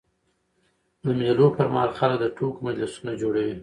د مېلو پر مهال خلک د ټوکو مجلسونه جوړوي.